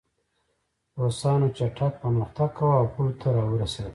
روسانو چټک پرمختګ کاوه او پولو ته راورسېدل